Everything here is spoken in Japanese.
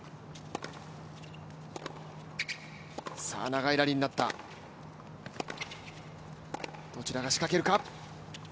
長いラリーになった、どちらが仕掛けるか。